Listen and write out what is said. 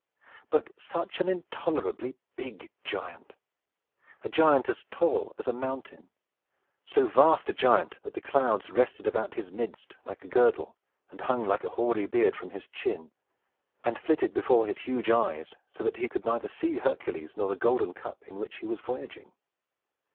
But such an intolerably big giant! A giant as tall as a mountain; so vast a giant, that the clouds rested about his midst, like a girdle, and hung like a hoary beard from his chin, and flitted before his huge eyes, so that he could neither see Hercules nor the golden cup in which he was voyaging.